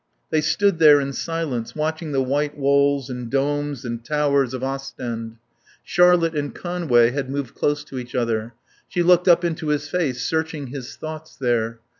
They stood there in silence watching the white walls and domes and towers of Ostend. Charlotte and Conway had moved close to each other. She looked up into his face, searching his thoughts there.